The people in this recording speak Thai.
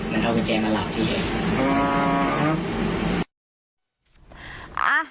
มันเอากุญแจมาหลอกที่เห็น